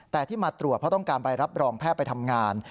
แต่ที่มาตรวจเพราะต้องการใบรับรองแพทย์ไปทำงาน